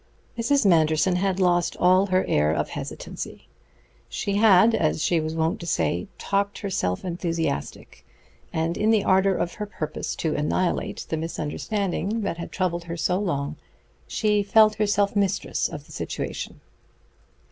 Mrs. Manderson had lost all her air of hesitancy. She had, as she was wont to say, talked herself enthusiastic, and in the ardor of her purpose to annihilate the misunderstanding that had troubled her so long she felt herself mistress of the situation.